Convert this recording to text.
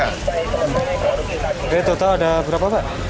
jadi total ada berapa pak